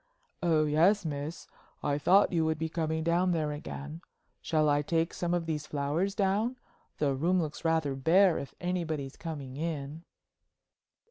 "Oh yes, miss. I thought you would be coming down there again. Shall I take some of these flowers down? The room looks rather bare, if anybody's coming in."